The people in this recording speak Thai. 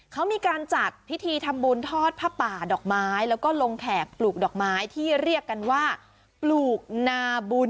เขามีการจัดพิธีทำบุญทอดผ้าป่าดอกไม้แล้วก็ลงแขกปลูกดอกไม้ที่เรียกกันว่าปลูกนาบุญ